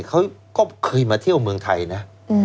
เขาก็เคยมาเที่ยวเมืองไทยนะ